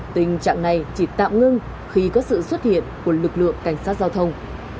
tình trạng này chỉ tạm ngưng khi có sự xuất hiện của lực lượng cảnh sát giao thông